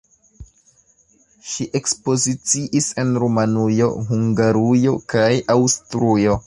Ŝi ekspoziciis en Rumanujo, Hungarujo kaj Aŭstrujo.